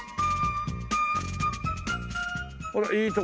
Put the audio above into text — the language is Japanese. ほらいい所。